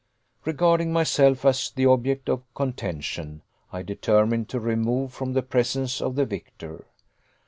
Regarding myself as the object of contention, I determined to remove from the presence of the victor.